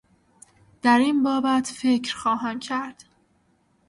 در این بابت فکر خواهم کرد